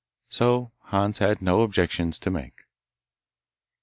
So Hans had no objections to make.